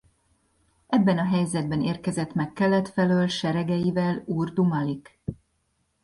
Ebben a helyzetben érkezett meg kelet felől seregeivel Urdu Malik.